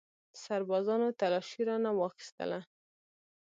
سربازانو تلاشي رانه واخیستله.